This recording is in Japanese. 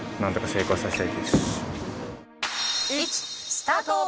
スタート！